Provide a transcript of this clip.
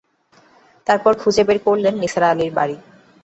তারপর খুঁজে বের করলেন নিসার আলির বাড়ি।